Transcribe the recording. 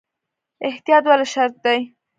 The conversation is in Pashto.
احتیاط ولې شرط دی؟